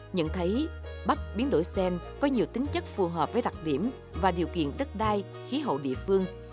nhận thấy bách biến đổi sen có nhiều tính chất phù hợp với đặc điểm và điều kiện đất đai khí hậu địa phương